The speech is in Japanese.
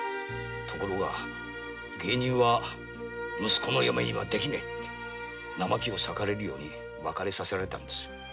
ところが芸人は息子の嫁にはできねぇって生木を裂かれるように別れさせられたんですよ。